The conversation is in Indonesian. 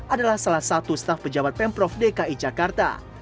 adalah salah satu staf pejabat pemprov dki jakarta